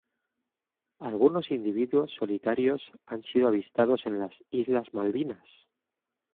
Algunos individuos solitarios han sido avistados en las Islas Malvinas.